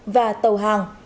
và tàu hàng